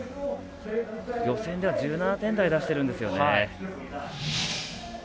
予選では１７点台を出してるんですよね。